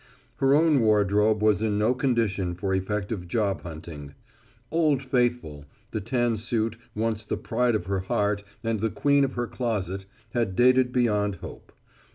Her own wardrobe was in no condition for effective job hunting. "Old faithful," the tan suit, once the pride of her heart and the queen of her closet, had dated beyond hope.